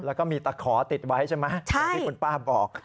แล้วก็มีตะขอติดไว้ใช่ไหมอย่างที่คุณป้าบอก